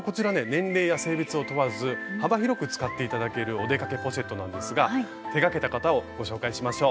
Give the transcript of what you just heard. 年齢や性別を問わず幅広く使って頂ける「お出かけポシェット」なんですが手がけた方をご紹介しましょう。